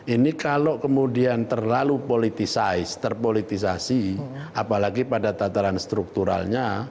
ini kalau kemudian terlalu politisize terpolitisasi apalagi pada tataran strukturalnya